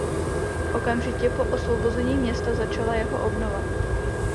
Okamžitě po osvobození města začala jeho obnova.